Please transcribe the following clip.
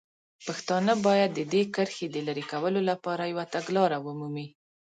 پښتانه باید د دې کرښې د لرې کولو لپاره یوه تګلاره ومومي.